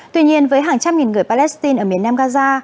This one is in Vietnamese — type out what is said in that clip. tuy nhiên với hàng trăm nghìn người palestine ở miền nam gaza